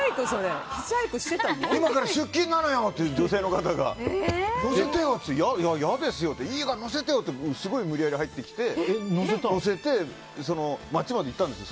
今から出勤なのよ！って女性の方が乗せてよ！って言われていやだよって言ったけどいいから乗せてよ！ってすごい無理やり入ってきて乗せて街まで行ったんですよ。